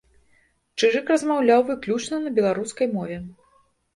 Чыжык размаўляў выключна на беларускай мове.